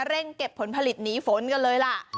เร่งเก็บผลผลิตหนีฝนกันเลยล่ะ